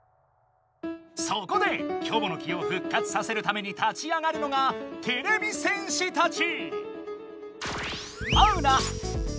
そこでキョボの木を復活させるために立ち上がるのがてれび戦士たち！